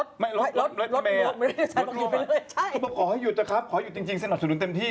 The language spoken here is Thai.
ติดสงครับขอให้หยุดนะครับขอให้หยุดจริงว่าสนุนเต็มที่